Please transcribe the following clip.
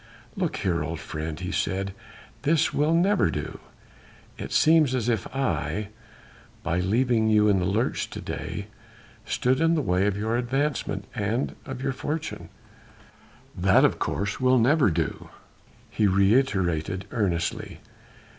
"Look here, old friend," he said, "this will never do. It seems as if I, by leaving you in the lurch to day, stood in the way of your advancement and of your fortune. That of course will never do," he reiterated earnestly.